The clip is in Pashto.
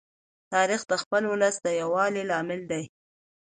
تاریخ د خپل ولس د یووالي لامل دی.